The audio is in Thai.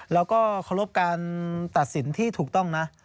แล้วก็เคารพการตัดสินที่ถูกต้องนะ